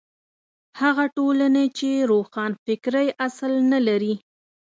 هغه ټولنې چې روښانفکرۍ اصل نه لري.